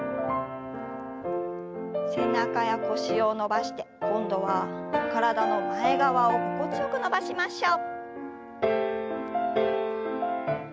背中や腰を伸ばして今度は体の前側を心地よく伸ばしましょう。